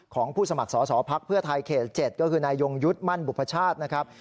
ของผู้สมัครสสพเพื่อทายเขต๗ก็คือนายยงยุทธ์มั่นบุพชาตินะครับ